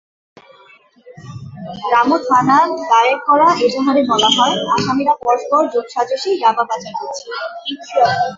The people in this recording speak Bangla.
রামু থানায় দায়ের করা এজাহারে বলা হয়, আসামিরা পরস্পর যোগসাজশে ইয়াবা পাচার করছিল।